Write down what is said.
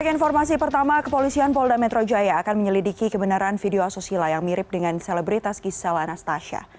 sebagai informasi pertama kepolisian polda metro jaya akan menyelidiki kebenaran video asusila yang mirip dengan selebritas gisela anastasia